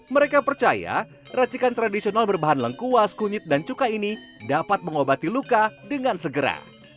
mereka percaya racikan tradisional berbahan lengkuas kunyit dan cukai ini dapat mengobati luka dengan segera